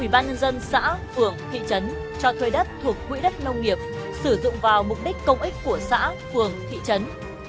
ủy ban nhân dân xã phường thị trấn cho thuê đất thuộc quỹ đất nông nghiệp sử dụng vào mục đích công ích của xã phường thị trấn